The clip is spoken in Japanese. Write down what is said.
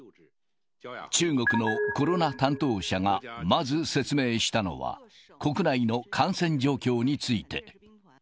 中国のコロナ担当者がまず説明したのは、国内の感染状況について。